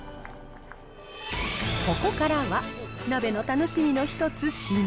ここからは、鍋の楽しみの一つ、締め。